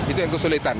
itu yang kesulitan